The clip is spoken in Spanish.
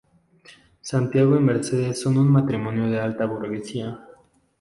Santiago y Mercedes son un matrimonio de la alta burguesía.